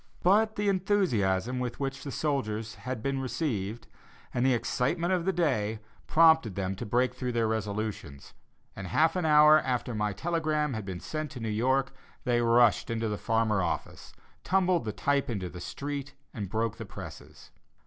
But the enthusiasm with which the soldiers had been received, and the excitement of the day, prompted them to break through their resolutions, and, half an hour after my telegram had been sent to New York, they rushed into the Farmer office, tumbled the type into the street, and broke the presses.